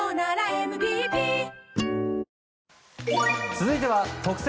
続いては特選！！